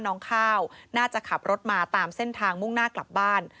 น้องข้าวน่าจะขับรถมาตามเส้นทางมุ่งหน้ากลับบ้าน